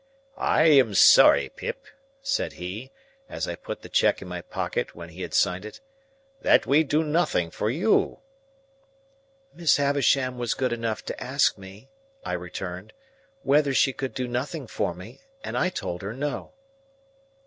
"I am sorry, Pip," said he, as I put the check in my pocket, when he had signed it, "that we do nothing for you." "Miss Havisham was good enough to ask me," I returned, "whether she could do nothing for me, and I told her No."